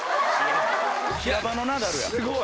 平場のナダルや。